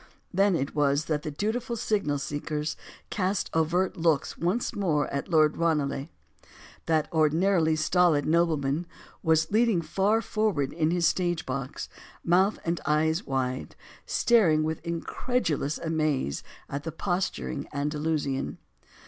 Then it was that the dutiful signal seekers cast covert looks once more at Lord Ranelagh. That ordinarily stolid nobleman was leaning far forward in his stage box, mouth and eyes wide, staring with incredulous amaze at the posturing Andalusian.